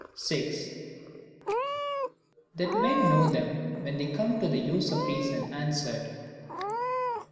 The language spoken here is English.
6. That men know them when they come to the Use of Reason answered.